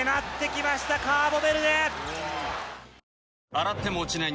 洗っても落ちない